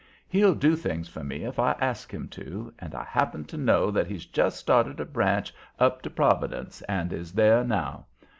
He'll do things for me if I ask him to, and I happen to know that he's just started a branch up to Providence and is there now.